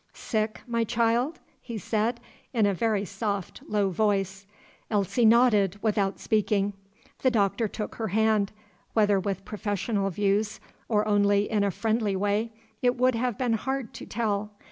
"Sick, my child?" he said, in a very soft, low voice. Elsie nodded, without speaking. The Doctor took her hand, whether with professional views, or only in a friendly way, it would have been hard to tell.